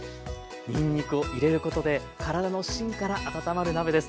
にんにくを入れることでからだの芯から温まる鍋です。